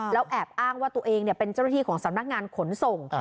แล้วแอบอ้างว่าตัวเองเนี่ยเป็นเจ้าหน้างานขนส่ง